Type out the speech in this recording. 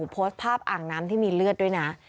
โพสต์ภาพอ่างน้ำที่มีเลือดด้วยนะ